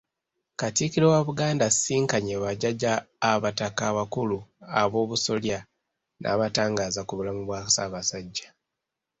Katikkiro wa Buganda asisinkanye bajjajja abataka abakulu ab'obusolya n'abatangaaza ku bulamu bwa Ssaabasajja